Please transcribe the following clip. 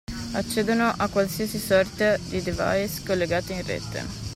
Accedono a qualsiasi sorta di device collegato in rete.